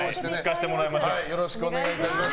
よろしくお願いします。